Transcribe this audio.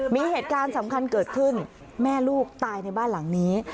มีเหตุการณ์สำคัญเกิดขึ้นแม่ลูกตายในบ้านหลังนี้